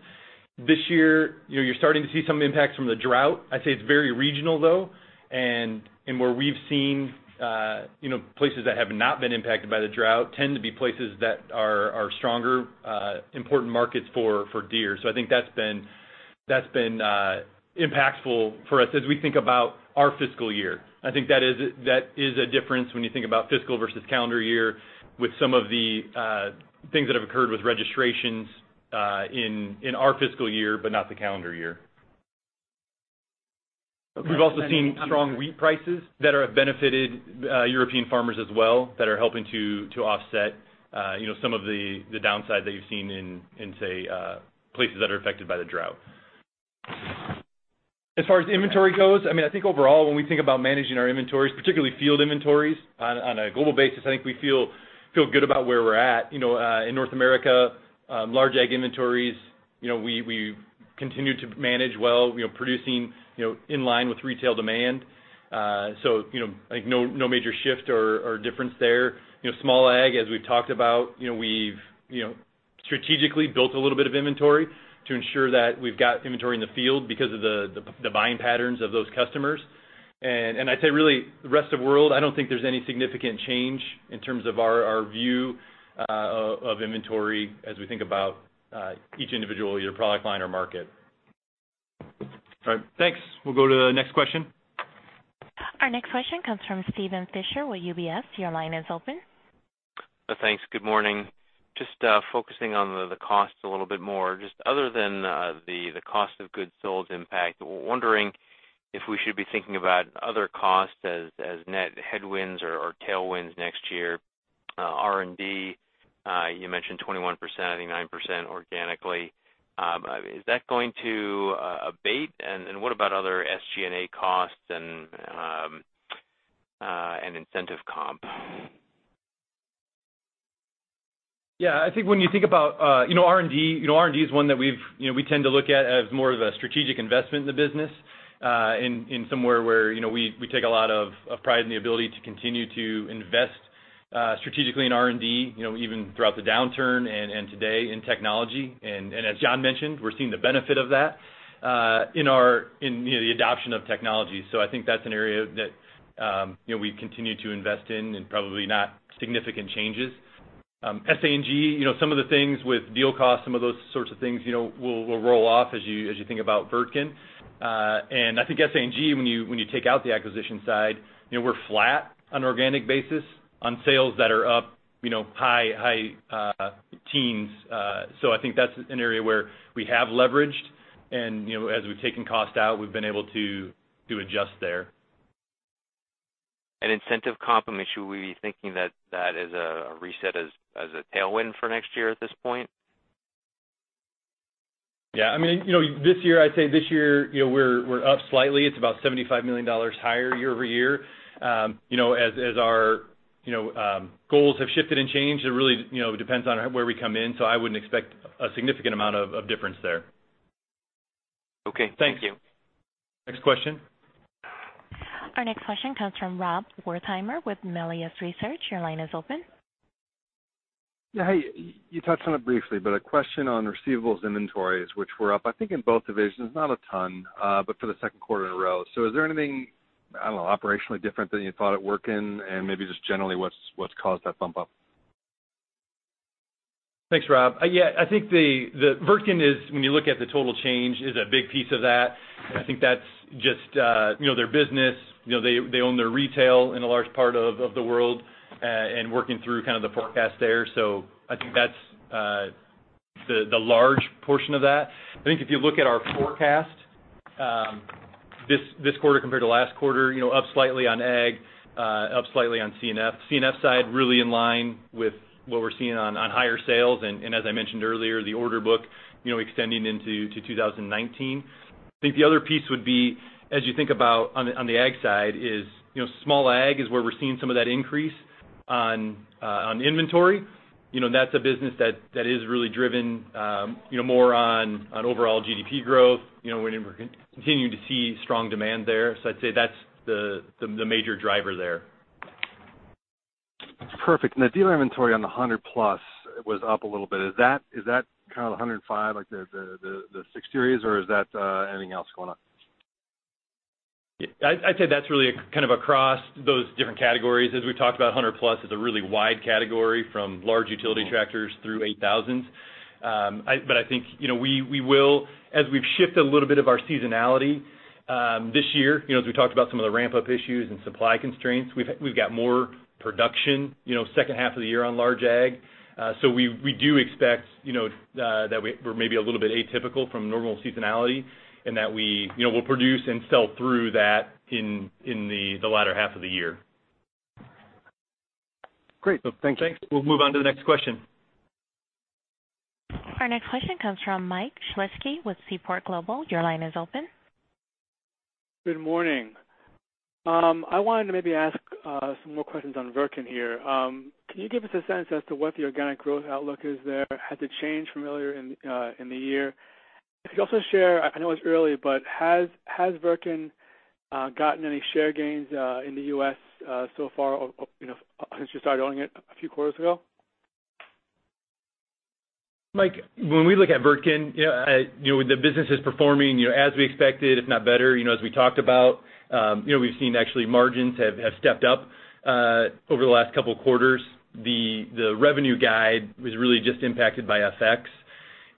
This year, you're starting to see some impacts from the drought. I'd say it's very regional, though. Where we've seen places that have not been impacted by the drought tend to be places that are stronger, important markets for Deere. I think that's been impactful for us as we think about our fiscal year. I think that is a difference when you think about fiscal versus calendar year with some of the things that have occurred with registrations in our fiscal year, but not the calendar year. We've also seen strong wheat prices that have benefited European farmers as well, that are helping to offset some of the downside that you've seen in, say, places that are affected by the drought. As far as inventory goes, I think overall, when we think about managing our inventories, particularly field inventories on a global basis, I think we feel good about where we're at. In North America, large ag inventories we continue to manage well producing in line with retail demand. I think no major shift or difference there. Small ag, as we've talked about, we've strategically built a little bit of inventory to ensure that we've got inventory in the field because of the buying patterns of those customers. I'd say really, the rest of world, I don't think there's any significant change in terms of our view of inventory as we think about each individual either product line or market. All right. Thanks. We'll go to the next question. Our next question comes from Steven Fisher with UBS. Your line is open. Thanks. Good morning. Just focusing on the costs a little bit more. Just other than the cost of goods sold impact, wondering if we should be thinking about other costs as net headwinds or tailwinds next year. R&D, you mentioned 21%, I think 9% organically. Is that going to abate? What about other SA&G costs and incentive comp? Yeah, I think when you think about R&D. R&D is one that we tend to look at as more of a strategic investment in the business, in somewhere where we take a lot of pride in the ability to continue to invest strategically in R&D even throughout the downturn and today in technology. As John mentioned, we're seeing the benefit of that in the adoption of technology. I think that's an area that we continue to invest in and probably not significant changes. S, A, and G, some of the things with deal costs, some of those sorts of things will roll off as you think about Wirtgen. I think S, A, and G, when you take out the acquisition side, we're flat on organic basis on sales that are up high teens. I think that's an area where we have leveraged and as we've taken cost out, we've been able to adjust there. Incentive comp, should we be thinking that that is a reset as a tailwind for next year at this point? Yeah. This year, I'd say this year we're up slightly. It's about $75 million higher year-over-year. As our goals have shifted and changed, it really depends on where we come in. I wouldn't expect a significant amount of difference there. Okay, thank you. Next question. Our next question comes from Rob Wertheimer with Melius Research. Your line is open. Hey, you touched on it briefly, a question on receivables inventories, which were up, I think in both divisions, not a ton, but for the second quarter in a row. Is there anything, I don't know, operationally different than you thought at Wirtgen? Maybe just generally, what's caused that bump up? Thanks, Rob. Yeah, I think the Wirtgen is, when you look at the total change, is a big piece of that. I think that's just their business. They own their retail in a large part of the world, working through kind of the forecast there. I think that's the large portion of that. I think if you look at our forecast, this quarter compared to last quarter, up slightly on ag, up slightly on C&F. C&F side really in line with what we're seeing on higher sales. As I mentioned earlier, the order book extending into 2019. I think the other piece would be, as you think about on the ag side is small ag is where we're seeing some of that increase on inventory. That's a business that is really driven more on overall GDP growth. We're continuing to see strong demand there. I'd say that's the major driver there. Perfect. The dealer inventory on the 100 plus was up a little bit. Is that kind of the 105, like the 6 series, or is that anything else going on? I'd say that's really kind of across those different categories. As we've talked about 100 plus is a really wide category from large utility tractors through 8000s. I think we will, as we've shifted a little bit of our seasonality this year, as we talked about some of the ramp-up issues and supply constraints, we've got more production second half of the year on large ag. We do expect that we're maybe a little bit atypical from normal seasonality and that we'll produce and sell through that in the latter half of the year. Great. Thank you. Thanks. We'll move on to the next question. Our next question comes from Michael Shlisky with Seaport Global. Your line is open. Good morning. I wanted to maybe ask some more questions on Wirtgen here. Can you give us a sense as to what the organic growth outlook is there? Has it changed from earlier in the year? If you could also share, I know it's early, but has Wirtgen gotten any share gains in the U.S. so far since you started owning it a few quarters ago? Mike, when we look at Wirtgen, the business is performing as we expected, if not better, as we talked about. We've seen actually margins have stepped up over the last couple of quarters. The revenue guide was really just impacted by FX.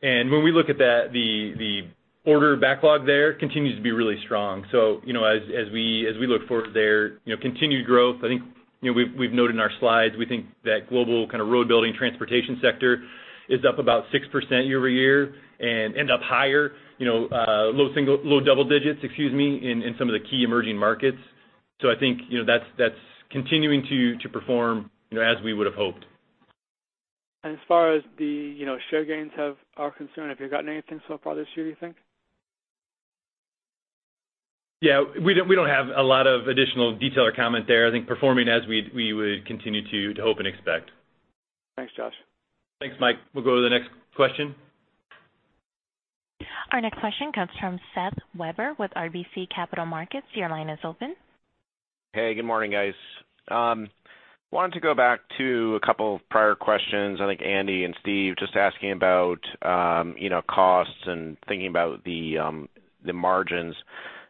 When we look at the order backlog there continues to be really strong. As we look forward there continued growth. I think we've noted in our slides, we think that global kind of road building transportation sector is up about 6% year-over-year and end up higher, low double digits, excuse me, in some of the key emerging markets. I think that's continuing to perform as we would've hoped. As far as the share gains are concerned, have you gotten anything so far this year, you think? Yeah, we don't have a lot of additional detail or comment there. I think performing as we would continue to hope and expect. Thanks, Josh. Thanks, Mike. We'll go to the next question. Our next question comes from Seth Weber with RBC Capital Markets. Your line is open. Hey, good morning, guys. Wanted to go back to a couple of prior questions. I think Andy and Steve just asking about costs and thinking about the margins.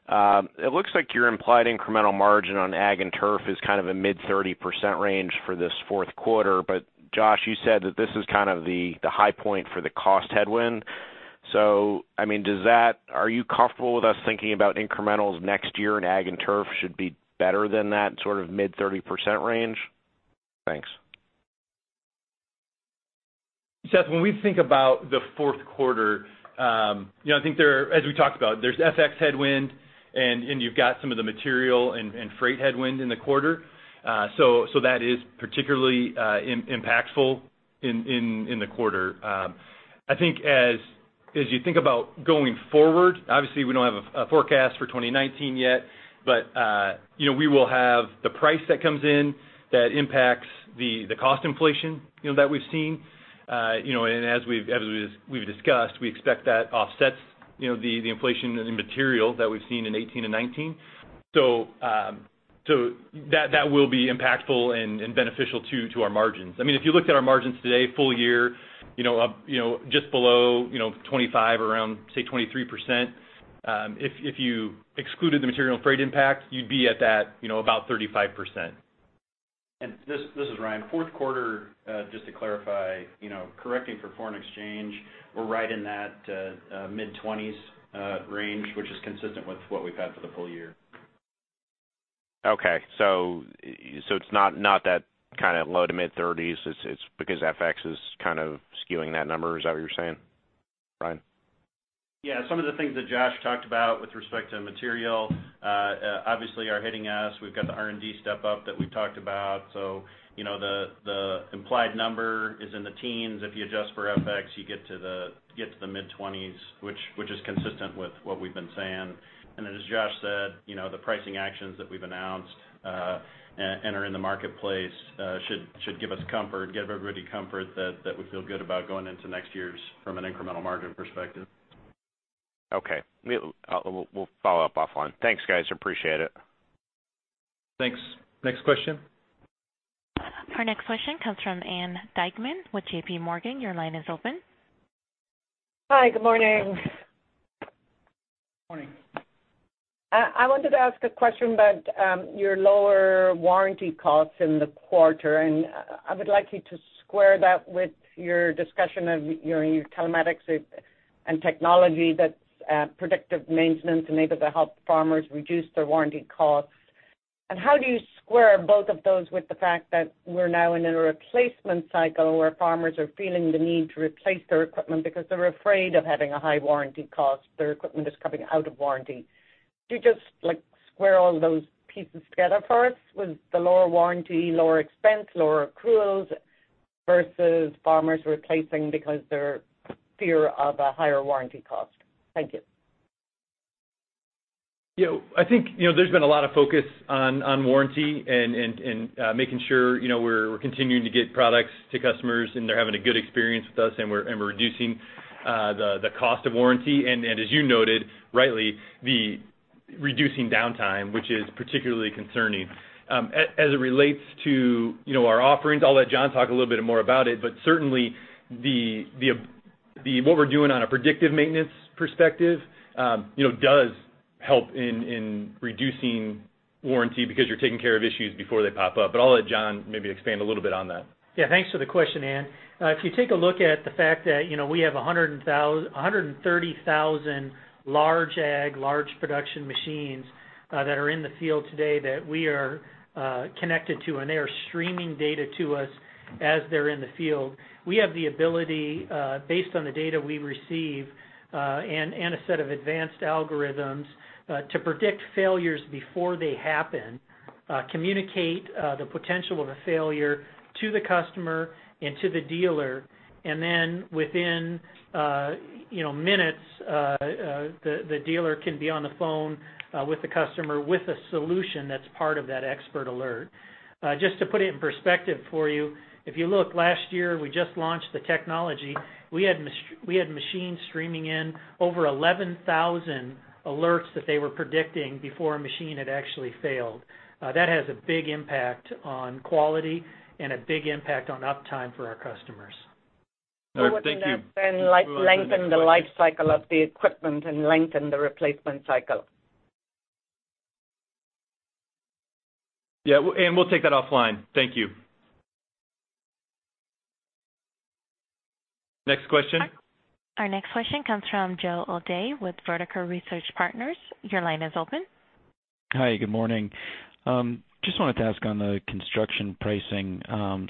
It looks like your implied incremental margin on ag and turf is kind of a mid 30% range for this fourth quarter. Josh, you said that this is kind of the high point for the cost headwind. I mean, are you comfortable with us thinking about incrementals next year in ag and turf should be better than that sort of mid 30% range? Thanks. Seth, when we think about the fourth quarter, I think as we talked about, there's FX headwind and you've got some of the material and freight headwind in the quarter. That is particularly impactful in the quarter. I think as you think about going forward, obviously we don't have a forecast for 2019 yet, we will have the price that comes in that impacts the cost inflation that we've seen. As we've discussed, we expect that offsets the inflation in material that we've seen in 2018 and 2019. That will be impactful and beneficial to our margins. If you looked at our margins today, full year, just below 25, around, say, 23%. If you excluded the material and freight impact, you'd be at that about 35%. This is Ryan. Fourth quarter, just to clarify, correcting for foreign exchange, we're right in that mid-20s range, which is consistent with what we've had for the full year. Okay. It's not that kind of low to mid-30s. It's because FX is kind of skewing that number. Is that what you're saying, Ryan? Yeah, some of the things that Josh talked about with respect to material obviously are hitting us. We've got the R&D step up that we talked about. The implied number is in the teens. If you adjust for FX, you get to the mid-20s, which is consistent with what we've been saying. As Josh said, the pricing actions that we've announced and are in the marketplace should give us comfort, give everybody comfort that we feel good about going into next year's from an incremental margin perspective. Okay. We'll follow up offline. Thanks, guys. Appreciate it. Thanks. Next question. Our next question comes from Ann Duignan with J.P. Morgan. Your line is open. Hi. Good morning. Morning. I wanted to ask a question about your lower warranty costs in the quarter, and I would like you to square that with your discussion of your telematics and technology that's predictive maintenance and able to help farmers reduce their warranty costs. How do you square both of those with the fact that we're now in a replacement cycle where farmers are feeling the need to replace their equipment because they're afraid of having a high warranty cost, their equipment is coming out of warranty? Could you just square all those pieces together for us with the lower warranty, lower expense, lower accruals versus farmers replacing because their fear of a higher warranty cost? Thank you. I think there's been a lot of focus on warranty and making sure we're continuing to get products to customers and they're having a good experience with us and we're reducing the cost of warranty. As you noted, rightly, reducing downtime, which is particularly concerning. As it relates to our offerings, I'll let John talk a little bit more about it, but certainly what we're doing on a predictive maintenance perspective does help in reducing warranty because you're taking care of issues before they pop up. I'll let John maybe expand a little bit on that. Thanks for the question, Ann. If you take a look at the fact that we have 130,000 large ag, large production machines that are in the field today that we are connected to, and they are streaming data to us as they're in the field. We have the ability, based on the data we receive, and a set of advanced algorithms, to predict failures before they happen, communicate the potential of a failure to the customer and to the dealer. Within minutes, the dealer can be on the phone with the customer with a solution that's part of that Expert Alerts. Just to put it in perspective for you, if you look last year, we just launched the technology. We had machines streaming in over 11,000 alerts that they were predicting before a machine had actually failed. That has a big impact on quality and a big impact on uptime for our customers. Would that lengthen the life cycle of the equipment and lengthen the replacement cycle? Yeah. Ann, we'll take that offline. Thank you. Next question. Our next question comes from Joe O'Dea with Vertical Research Partners. Your line is open. Hi, good morning. Just wanted to ask on the construction pricing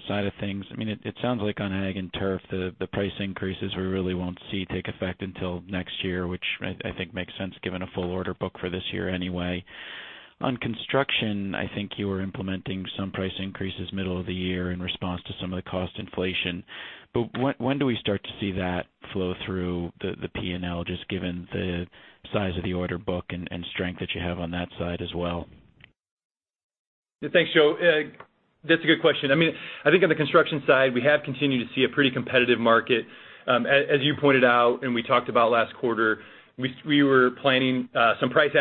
side of things. It sounds like on ag and turf, the price increases we really won't see take effect until next year, which I think makes sense given a full order book for this year anyway. On construction, I think you were implementing some price increases middle of the year in response to some of the cost inflation. When do we start to see that flow through the P&L, just given the size of the order book and strength that you have on that side as well? Thanks, Joe. That's a good question. I think on the construction side, we have continued to see a pretty competitive market. As you pointed out and we talked about last quarter, we were planning some price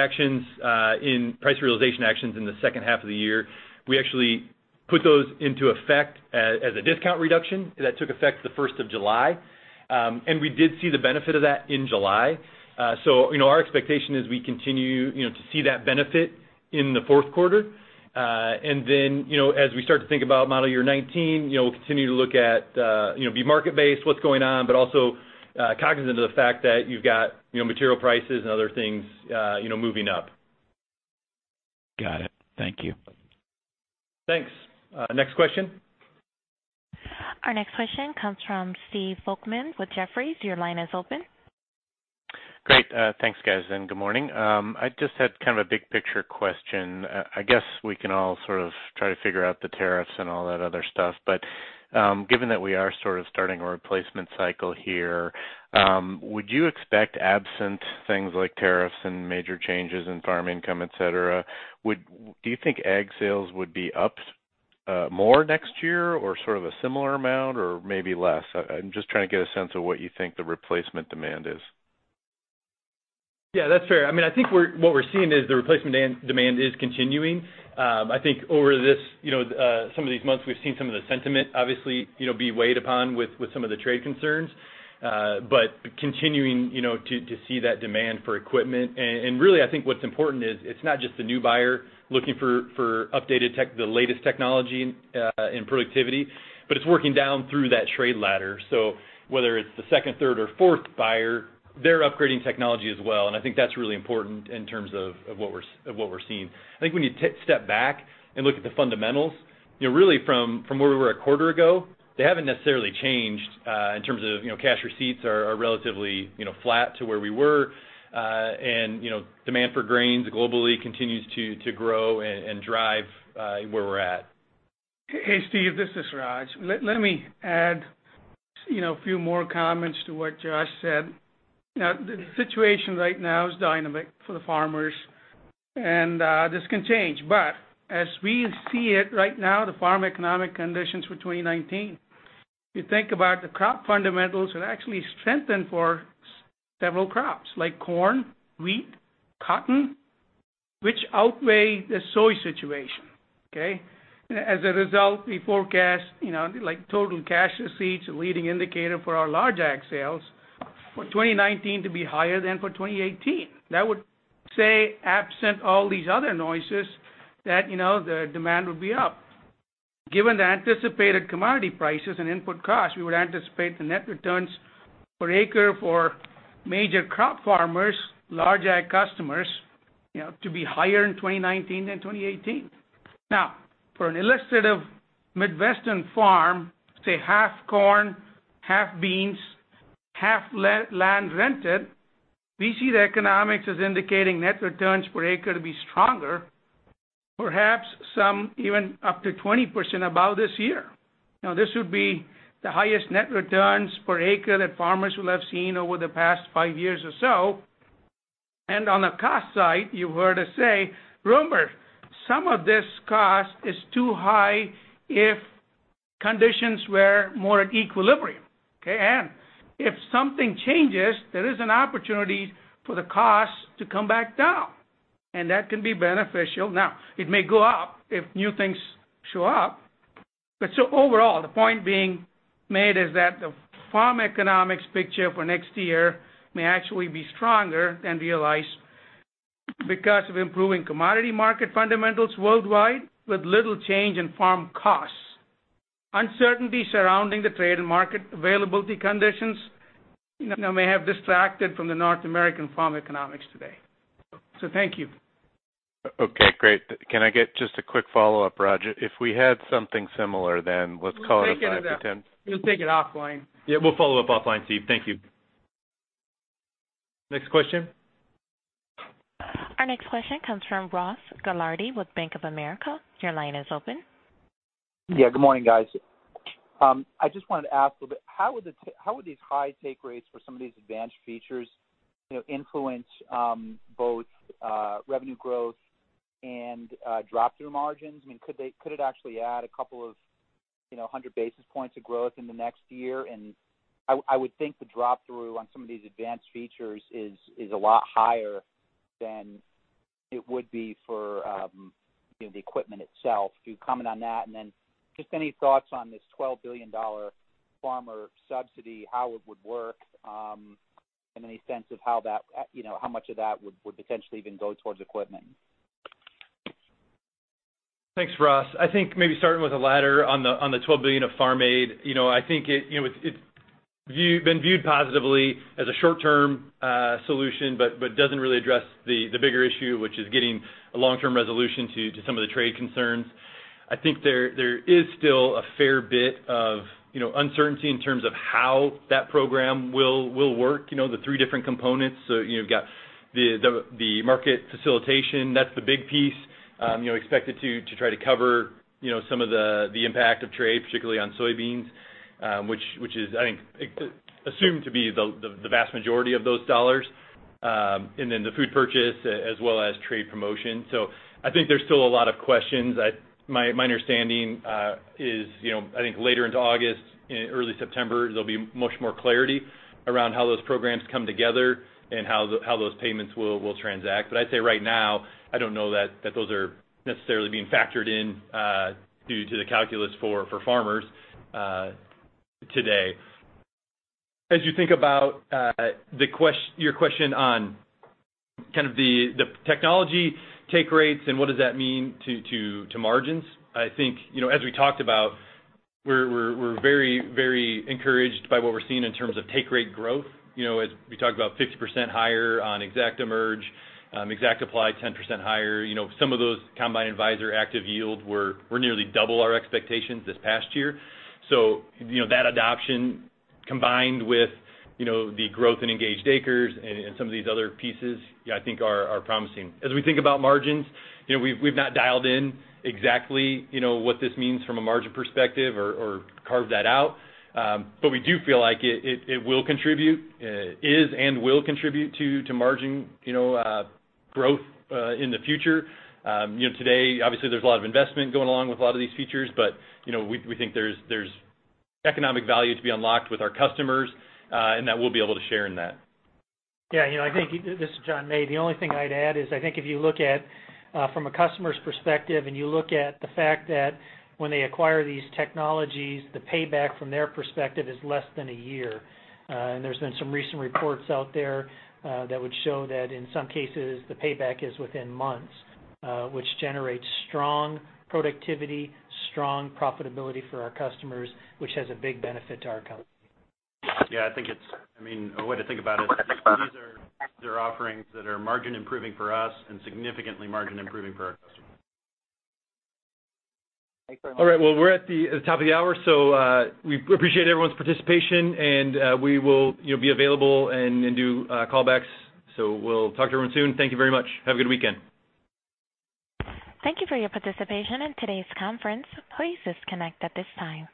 realization actions in the second half of the year. We actually put those into effect as a discount reduction. That took effect the 1st of July. We did see the benefit of that in July. Our expectation is we continue to see that benefit in the fourth quarter. As we start to think about model year 2019, we'll continue to look at, be market-based, what's going on, but also cognizant of the fact that you've got material prices and other things moving up. Got it. Thank you. Thanks. Next question. Our next question comes from Stephen Volkmann with Jefferies. Your line is open. Great. Thanks, guys. Good morning. I just had kind of a big picture question. I guess we can all sort of try to figure out the tariffs and all that other stuff. Given that we are sort of starting a replacement cycle here, would you expect absent things like tariffs and major changes in farm income, et cetera, do you think ag sales would be up more next year or sort of a similar amount or maybe less? I'm just trying to get a sense of what you think the replacement demand is. Yeah, that's fair. I think what we're seeing is the replacement demand is continuing. I think over some of these months, we've seen some of the sentiment obviously be weighed upon with some of the trade concerns. Continuing to see that demand for equipment. Really, I think what's important is it's not just the new buyer looking for updated tech, the latest technology in productivity, but it's working down through that trade ladder. Whether it's the second, third, or fourth buyer, they're upgrading technology as well. I think that's really important in terms of what we're seeing. I think when you step back and look at the fundamentals, really from where we were a quarter ago, they haven't necessarily changed in terms of cash receipts are relatively flat to where we were. Demand for grains globally continues to grow and drive where we're at. Hey, Stephen, this is Raj. Let me add a few more comments to what Josh said. The situation right now is dynamic for the farmers, and this can change. As we see it right now, the farm economic conditions for 2019, you think about the crop fundamentals have actually strengthened for several crops like corn, wheat, cotton, which outweigh the soy situation. As a result, we forecast total cash receipts, a leading indicator for our large ag sales, for 2019 to be higher than for 2018. That would say, absent all these other noises, that the demand will be up. Given the anticipated commodity prices and input costs, we would anticipate the net returns per acre for major crop farmers, large ag customers, to be higher in 2019 than 2018. For an illustrative Midwestern farm, say half corn, half beans, half land rented, we see the economics as indicating net returns per acre to be stronger, perhaps some even up to 20% above this year. This would be the highest net returns per acre that farmers will have seen over the past five years or so. And on the cost side, you were to say remember some of this cost is too high if conditions were more at equilibrium. If something changes, there is an opportunity for the cost to come back down, and that can be beneficial. It may go up if new things show up. Overall, the point being made is that the farm economics picture for next year may actually be stronger than realized because of improving commodity market fundamentals worldwide with little change in farm costs. Uncertainty surrounding the trade and market availability conditions may have distracted from the North American farm economics today. Thank you. Okay, great. Can I get just a quick follow-up, Raj? Let's call it a 5 to 10- We'll take it offline. Yeah, we'll follow up offline, Steve. Thank you. Next question. Our next question comes from Ross Gilardi with Bank of America. Your line is open. Good morning, guys. I just wanted to ask a bit, how would these high take rates for some of these advanced features influence both revenue growth and drop-through margins? Could it actually add a couple of hundred basis points of growth in the next year? I would think the drop-through on some of these advanced features is a lot higher than it would be for the equipment itself. If you comment on that, and then just any thoughts on this $12 billion farmer subsidy, how it would work, and any sense of how much of that would potentially even go towards equipment? Thanks, Ross. I think maybe starting with the latter on the $12 billion of farm aid. I think it's been viewed positively as a short-term solution but doesn't really address the bigger issue, which is getting a long-term resolution to some of the trade concerns. I think there is still a fair bit of uncertainty in terms of how that program will work. The three different components, you've got the market facilitation. That's the big piece expected to try to cover some of the impact of trade, particularly on soybeans which is, I think, assumed to be the vast majority of those dollars, and then the food purchase as well as trade promotion. I think there's still a lot of questions. My understanding is I think later into August, early September, there'll be much more clarity around how those programs come together and how those payments will transact. I'd say right now, I don't know that those are necessarily being factored in due to the calculus for farmers today. As you think about your question on kind of the technology take rates and what does that mean to margins, I think, as we talked about, we're very encouraged by what we're seeing in terms of take rate growth. As we talked about 50% higher on ExactEmerge, ExactApply 10% higher. Some of those Combine Advisor ActiveYield were nearly double our expectations this past year. That adoption combined with the growth in engaged acres and some of these other pieces, I think are promising. As we think about margins, we've not dialed in exactly what this means from a margin perspective or carved that out. We do feel like it will contribute, is and will contribute to margin growth in the future. Today, obviously, there's a lot of investment going along with a lot of these features, but we think there's economic value to be unlocked with our customers, and that we'll be able to share in that. This is John May. The only thing I'd add is I think if you look at from a customer's perspective and you look at the fact that when they acquire these technologies, the payback from their perspective is less than a year. There's been some recent reports out there that would show that in some cases, the payback is within months, which generates strong productivity, strong profitability for our customers, which has a big benefit to our company. A way to think about it is these are offerings that are margin improving for us and significantly margin improving for our customers. Thanks very much. We're at the top of the hour, we appreciate everyone's participation, and we will be available and do callbacks. We'll talk to everyone soon. Thank you very much. Have a good weekend. Thank you for your participation in today's conference. Please disconnect at this time.